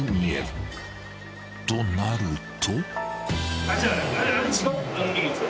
［となると］